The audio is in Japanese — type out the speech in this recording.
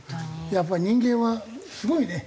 やっぱ人間はすごいね。